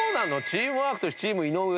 チームワークチーム井上。